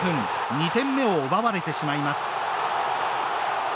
２点目を奪われてしまいます。